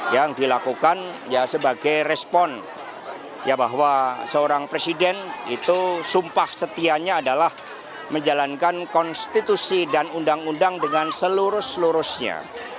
yang dilakukan ya sebagai respon bahwa seorang presiden itu sumpah setianya adalah menjalankan konstitusi dan undang undang dengan seluruh seluruhnya